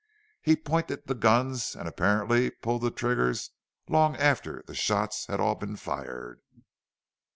He pointed the guns and apparently pulled the triggers long after the shots had all been fired.